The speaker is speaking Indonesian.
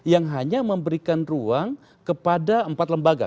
yang hanya memberikan ruang kepada empat lembaga